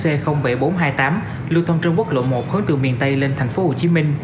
xe tải số năm mươi một c bảy nghìn bốn trăm hai mươi tám lưu thân trên quốc lộ một hướng từ miền tây lên tp hcm